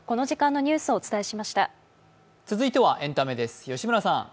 続いてはエンタメです。